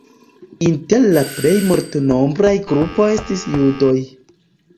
Inter la plej multnombra grupo estis judoj.